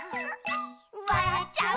「わらっちゃう」